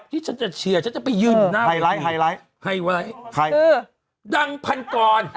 ที่ฉันจะเชียร์ฉันจะไปยืนหน้าไฮไลท์ไฮไลท์ไฮไลท์ใครเออดังพันกร